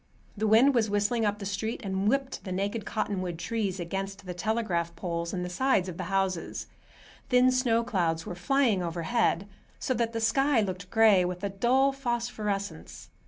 The wind was whistling up the street and whipping the naked cottonwood trees against the telegraph poles and the sides of the houses. Thin snow clouds were flying overhead, so that the sky looked gray, with a dull phosphorescence.